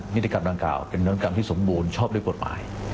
นิติกรรมดังกล่าวเป็นนวัตกรรมที่สมบูรณ์ชอบด้วยกฎหมาย